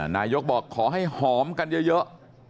นายกบอกขอให้หอมกันเยอะ